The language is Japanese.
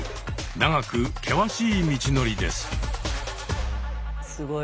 長く険しい道のりです。